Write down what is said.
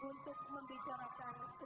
dan berjalan hingga hari ini